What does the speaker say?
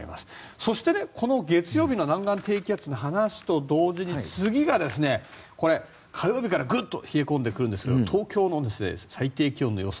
そして、この月曜日の南岸低気圧の話と同時に次がこれ、火曜日からグッと冷え込んでくるんですが東京の最低気温の予想